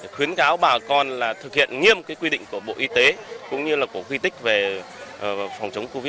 khuyến cáo bà con thực hiện nghiêm quy định của bộ y tế cũng như của khu duy tích về phòng chống covid một mươi chín